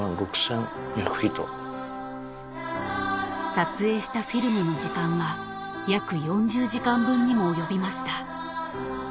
［撮影したフィルムの時間は約４０時間分にも及びました］